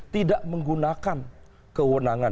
tidak menggunakan kewenangan